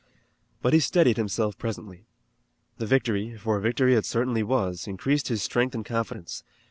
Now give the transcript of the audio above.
But he steadied himself presently. The victory, for victory it certainly was, increased his strength and confidence.